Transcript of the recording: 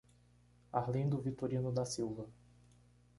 Arlindo Vitorino da Silva